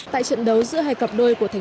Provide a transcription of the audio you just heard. tại trận đấu giữa hai cặp đôi của tp hcm